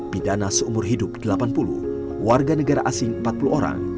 pidana seumur hidup delapan puluh warga negara asing empat puluh orang